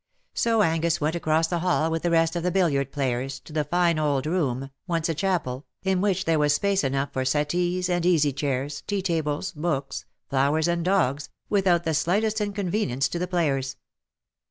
So Angus went across the hall with the rest of the billiard players^ to the fine old room, once a chapel, in which there was space enough for settees, and easy chairs, tea tables, books, flowers, and dogs, without the slightest inconvenience to the players.